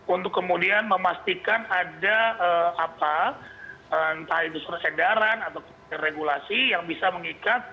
untuk kemudian memastikan ada entah itu surat edaran atau regulasi yang bisa mengikat